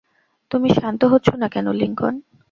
তুমি শান্ত হচ্ছো না কেন, লিংকন?